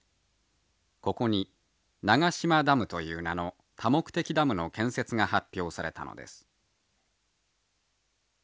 ここに長島ダムという名の多目的ダムの建設が発表されたのです。